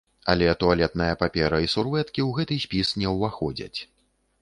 Але туалетная папера і сурвэткі ў гэты спіс не ўваходзяць.